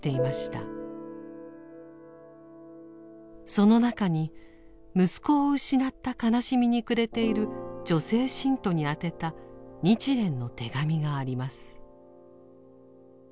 その中に息子を失った悲しみに暮れている女性信徒に宛てた日蓮の手紙があります。